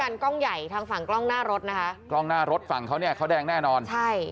กล้องใหญ่ทางฝั่งกล้องหน้ารถนะคะกล้องหน้ารถฝั่งเขาเนี่ยเขาแดงแน่นอนใช่